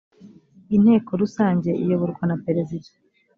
inteko rusange iyoborwa na perezida